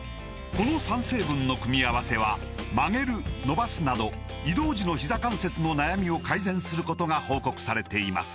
この３成分の組み合わせは曲げる伸ばすなど移動時のひざ関節の悩みを改善することが報告されています